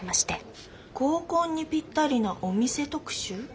「合コンにぴったりなお店特集」。